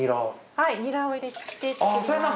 はいニラを入れて作ります。